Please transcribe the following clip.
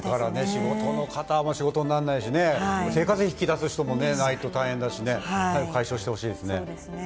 仕事の方、仕事になんないしね、生活費、引き出す人も出せないと困るし、早く解消してほしいですね。